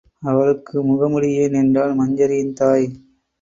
அவளுக்கு முகமூடி ஏன் என்றாள் மஞ்சரியின் தாய்.